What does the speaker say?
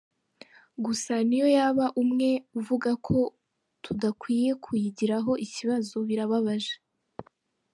Gusa, n’iyo yaba umwe uvuga ko tudakwiye kuyigiraho ikibazo birababaje.